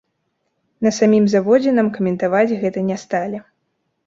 На самім заводзе нам каментаваць гэта не сталі.